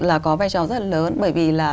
là có vai trò rất là lớn bởi vì là